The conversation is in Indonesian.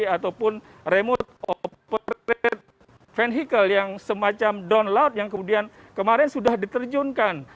ataupun remote operated vehicle yang semacam down laut yang kemudian kemarin sudah diterjunkan